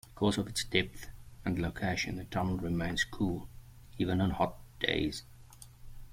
Because of its depth and location, the tunnel remains cool even on hot days.